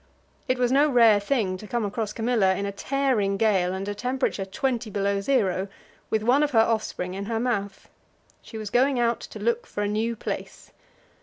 It was no rare thing to come across Camilla in a tearing gale and a temperature twenty below zero with one of her offspring in her mouth. She was going out to look for a new place.